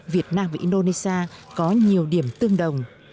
việt nam và indonesia có nhiều điểm tương đồng